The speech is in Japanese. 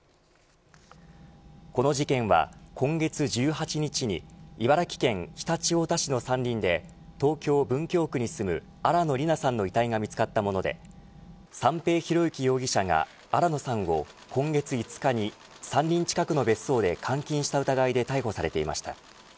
この事件は今月１８日に茨城県常陸太田市の山林で東京、文京区に住む新野りなさんの遺体が見つかったもので三瓶博幸容疑者が新野さんを今月５日に、山林近くの別荘で監禁した疑いで逮捕されていました。